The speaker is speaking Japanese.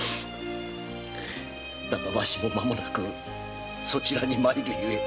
だがわしも間もなくそちらに参る故。